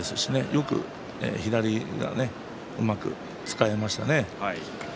よく左、うまく使いましたね。